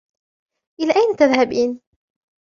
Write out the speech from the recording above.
إلى أين تذهبين ؟